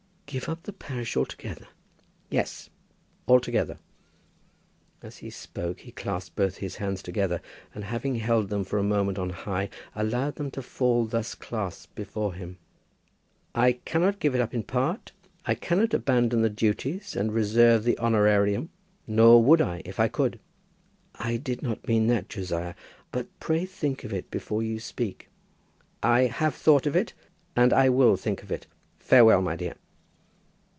"Give up the parish altogether?" "Yes, altogether." As he spoke he clasped both his hands together, and having held them for a moment on high, allowed them to fall thus clasped before him. "I cannot give it up in part; I cannot abandon the duties and reserve the honorarium. Nor would I if I could." "I did not mean that, Josiah. But pray think of it before you speak." "I have thought of it, and I will think of it. Farewell, my dear."